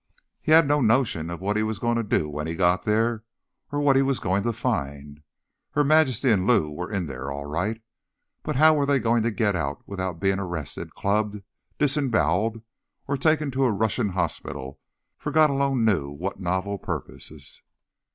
He had no notion of what he was going to do when he got there, or what he was going to find. Her Majesty and Lou were in there, all right, but how were they going to get out without being arrested, clubbed, disemboweled or taken to a Russian hospital for God alone knew what novel purposes?